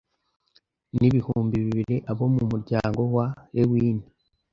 N ibihumbi bibiri abo mu muryango wa lewini